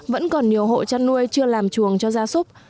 vẫn còn nhiều hộ chăn nuôi chưa làm chuồng cho gia súc